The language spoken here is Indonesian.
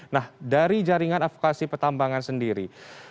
nah dari jaringan avokasi pertambangan sendiri